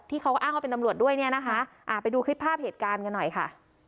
เขาก็อ้างว่าเป็นตำรวจด้วยเนี่ยนะคะไปดูคลิปภาพเหตุการณ์กันหน่อยค่ะ